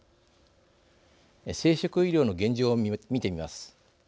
生殖医療の現状を見てみます。